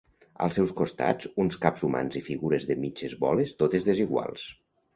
Als seus costats, uns caps humans i figures de mitges boles totes desiguals.